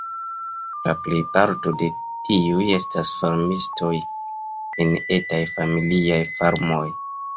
La plejparto de tiuj estas farmistoj en etaj familiaj farmoj.